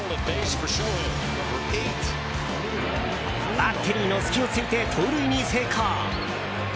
バッテリーの隙を突いて盗塁に成功！